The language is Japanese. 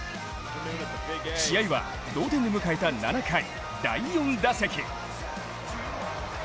試合は同点で迎えた７回、第４打席。